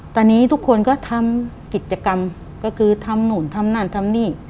ตอนนี้ทุกคนก็ทำกิจกรรมก็คือทำนู่นทำนั่นทำนี่